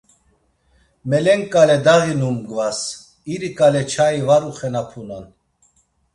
Melenǩale daği numgvas, iriǩale çayi var uxenapunan.